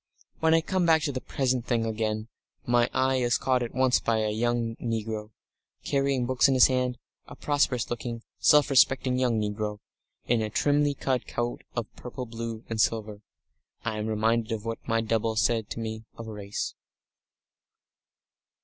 When I come back to the present thing again, my eye is caught at once by a young negro, carrying books in his hand, a prosperous looking, self respecting young negro, in a trimly cut coat of purple blue and silver. I am reminded of what my double said to me of race.